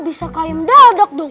bisa kayem dadak dong